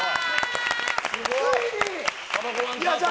ついに！